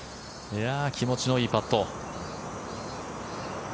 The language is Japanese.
気持ちのいいパット。